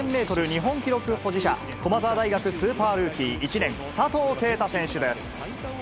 日本記録保持者、駒澤大学スーパールーキー１年、佐藤圭汰選手です。